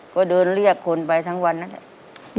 ก็เรียกคนไปทั้งวันนะจ๊ะ